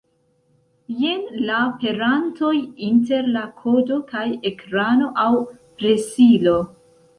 Jen la perantoj inter la kodo kaj ekrano aŭ presilo.